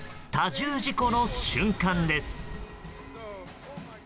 多重事故の瞬間です。